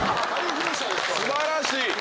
素晴らしい！